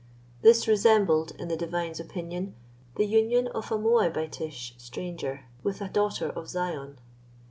This resembled, in the divine's opinion, the union of a Moabitish stranger with a daughter of Zion.